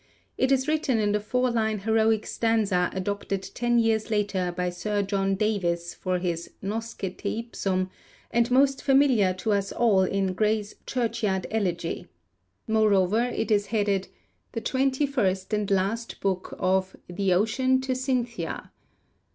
It is written in the four line heroic stanza adopted ten years later by Sir John Davies for his Nosce teipsum, and most familiar to us all in Gray's Churchyard Elegy. Moreover, it is headed 'the Twenty first and Last Book of The Ocean to Cynthia.'